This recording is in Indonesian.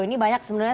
ini banyak sebenarnya